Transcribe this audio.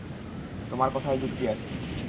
তোমার কথায় যুক্তি আছে।